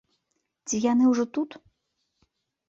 Ці яны ўжо тут?